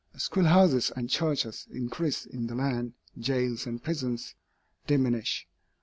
As schoolhouses and churches increase in the land, jails and prisons diminish.